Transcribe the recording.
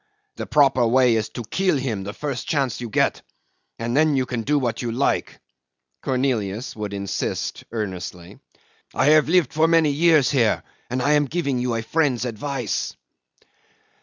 The proper way is to kill him the first chance you get, and then you can do what you like," Cornelius would insist earnestly. "I have lived for many years here, and I am giving you a friend's advice."